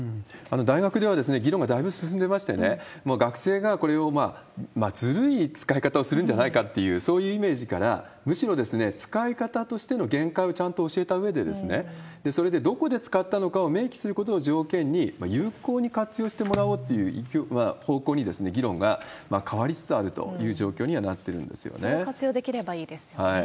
大学では議論がだいぶ進んでましてね、学生がこれをずるい使い方をするんじゃないかという、そういうイメージから、むしろ、使い方としての限界をちゃんと教えたうえで、それで、どこで使ったのかを明記することを条件に、有効に活用してもらおうという方向に議論が変わりつつあるというそういう活用できればいいですよね。